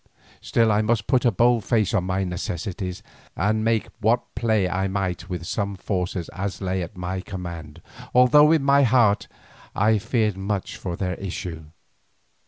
Still I must put a bold face on my necessities, and make what play I might with such forces as lay at my command, although in my heart I feared much for the issue.